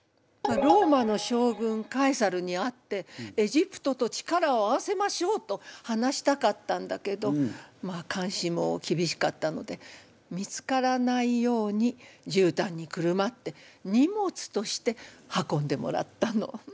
ローマの将軍カエサルに会ってエジプトと力を合わせましょうと話したかったんだけどまあかんしもきびしかったので見つからないようにじゅうたんにくるまって荷物として運んでもらったの。